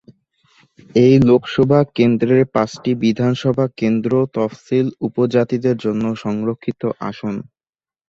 এই লোকসভা কেন্দ্রের পাঁচটি বিধানসভা কেন্দ্র তফসিলী উপজাতিদের জন্য সংরক্ষিত আসন।